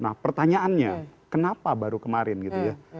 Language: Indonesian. nah pertanyaannya kenapa baru kemarin gitu ya